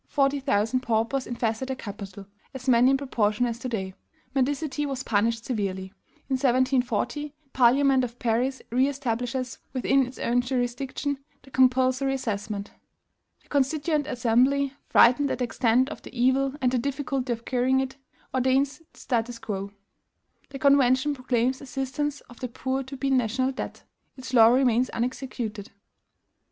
forty thousand paupers infested the capital [as many in proportion as to day]. Mendicity was punished severely. In 1740, the Parliament of Paris re establishes within its own jurisdiction the compulsory assessment. "The Constituent Assembly, frightened at the extent of the evil and the difficulty of curing it, ordains the statu quo. "The Convention proclaims assistance of the poor to be a NATIONAL DEBT. Its law remains unexecuted.